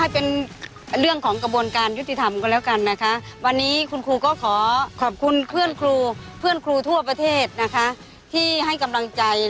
โปรดติดตามตอนต่อไป